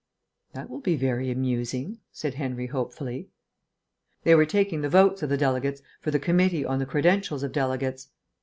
"That will be very amusing," said Henry hopefully. They were taking the votes of the delegates for the committee on the credentials of delegates.